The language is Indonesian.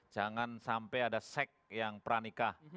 jangan sampai ada seks yang pranikah